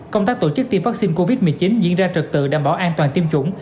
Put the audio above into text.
công tác tổ chức tiêm vaccine covid một mươi chín diễn ra trật tự đảm bảo an toàn tiêm chủng